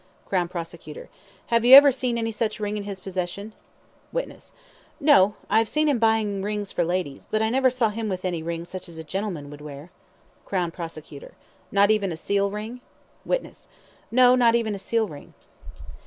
CROWN PROSECUTOR: Have you ever seen any such ring in his possession? WITNESS: No, I have seen him buying rings for ladies, but I never saw him with any ring such as a gentleman would wear. CROWN PROSECUTOR: Not even a seal ring. WITNESS: No, not even a seal ring.